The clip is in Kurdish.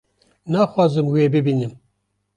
naxwazim wê bibînim